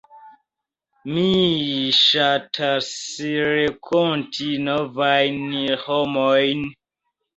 Mi ŝatasrenkonti novajn homojn.